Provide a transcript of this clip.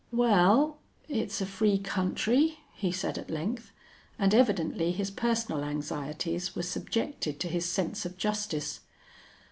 "Wal, it's a free country," he said at length, and evidently his personal anxieties were subjected to his sense of justice.